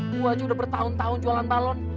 gue aja udah bertahun tahun jualan balon